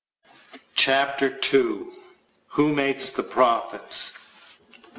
CHAPTER TWO Who Makes The Profits?